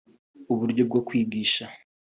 uburyo bwo kwigisha